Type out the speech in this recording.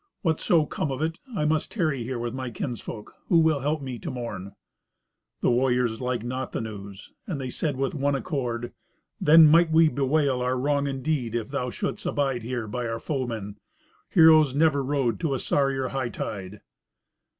Whatso come of it, I must tarry here with my kinsfolk, who will help me to mourn." The warriors liked not the news, and they said with one accord, "Then might we bewail our wrong indeed, if thou shouldst abide here by our foemen. Heroes never rode to a sorrier hightide."